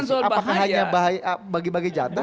apakah hanya bagi bagi jatah